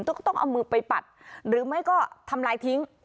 ต้องเอามือไปปัดหรือไม่ก็ทำลายทิ้ง